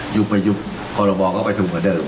ยุบไปยุบทุกคนมองไปทุนก่อนเติม